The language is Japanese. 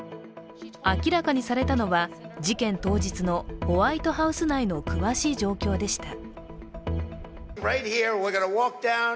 明らかにされたのは、事件当日のホワイトハウス内の詳しい状況でした。